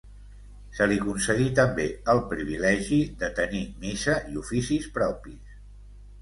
Se li concedí també el privilegi de tenir missa i oficis propis.